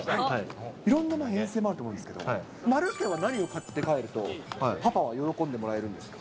いろんなもの、遠征もあると思うんですけど、丸家は何を買って帰ると、パパは喜んでもらえるんですか？